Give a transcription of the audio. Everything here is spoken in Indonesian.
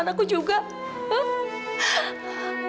aku akan mencintai dia